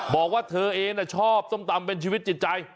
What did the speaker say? บอกว่าเธอเองชอบส้มตำเป็นชีวิตจิตใจ